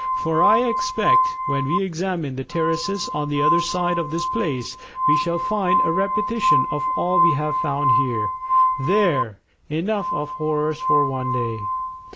For I expect when we examine the terraces on the other side of this place, we shall find a repetition of all we have found here. There, enough of horrors for one day."